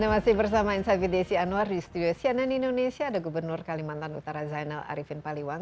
masih bersama insight with desi anwar di studio cnn indonesia ada gubernur kalimantan utara zainal arifin paliwang